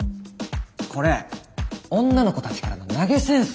これ女の子たちからの投げ銭っすよ。